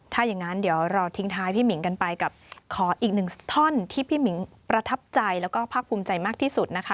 ถ้าอย่างนั้นเดี๋ยวรอทิ้งท้ายพี่หมิงกันไปกับขออีกหนึ่งท่อนที่พี่หมิงประทับใจแล้วก็ภาคภูมิใจมากที่สุดนะคะ